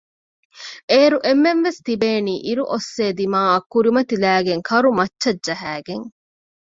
އޭރު އެންމެންވެސް ތިބޭނީ އިރުއޮއްސޭ ދިމާއަށް ކުރިމަތިލައިގެން ކަރުމައްޗަށް ޖަހައިގެން